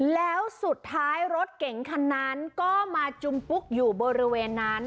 แล้วสุดท้ายรถเก๋งคันนั้นก็มาจุมปุ๊กอยู่บริเวณนั้น